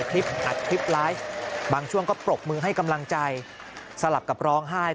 อัดคลิปไลฟ์บางช่วงก็ปรบมือให้กำลังใจสลับกับร้องไห้